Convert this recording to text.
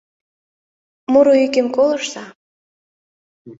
Муро йӱкем колыштса